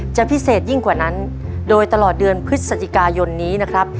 จะพิเศษยิ่งกว่านั้นโดยตลอดเดือนพฤศจิกายนนี้นะครับ